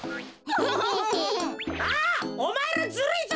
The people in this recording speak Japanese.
あおまえらずるいぞ！